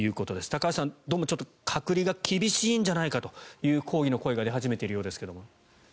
高橋さん、どうも隔離が厳しいんじゃないかという抗議の声が出始めているようですが。